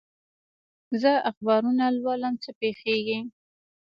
زه اخبارونه لولم، څه پېښېږي؟